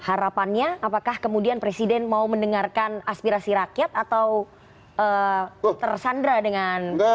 harapannya apakah kemudian presiden mau mendengarkan aspirasi rakyat atau tersandra dengan